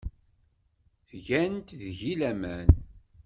Ttgent deg-i laman.